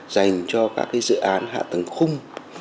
dành cho các cái dự án hạ tầng khung